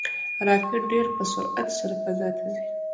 راکټ ډېر په سرعت سره فضا ته ځي.